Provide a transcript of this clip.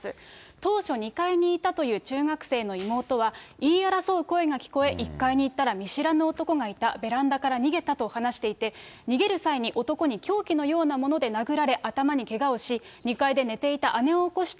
当初、２階にいたという中学生の妹は、言い争う声が聞こえ１階に行ったら、見知らぬ男がいた、ベランダから逃げたと話していて、逃げる際に男に凶器のようなもので殴られ、頭にけがをし、２階で寝ていた姉を起こして、